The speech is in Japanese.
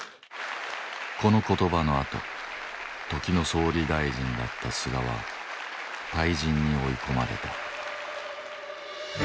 この言葉のあと時の総理大臣だった菅は退陣に追い込まれた。